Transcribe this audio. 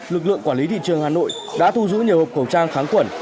lực lượng quản lý thị trường hà nội đã thu giữ nhiều hộp khẩu trang kháng khuẩn